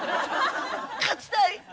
勝ちたい！